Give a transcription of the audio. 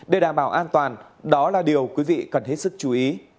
để đảm bảo an toàn đó là điều quý vị cần hết sức chú ý